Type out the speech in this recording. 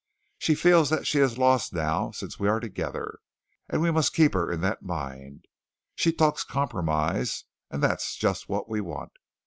She feels that she has lost now since we are together, and we must keep her in that mind. She talks compromise and that's just what we want.